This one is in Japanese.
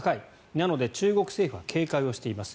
なので中国政府は警戒をしています。